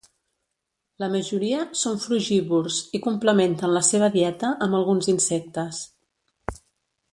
La majoria són frugívors i complementen la seva dieta amb alguns insectes.